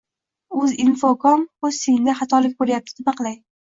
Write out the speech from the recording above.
Uzinfocom hostingida xatolik bo’layapti, nima qilay